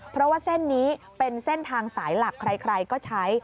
เพราะว่าเส้นนี้เป็นเส้นทางสายหลักใครก็ใช้